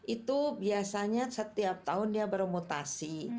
itu biasanya setiap tahun dia bermutasi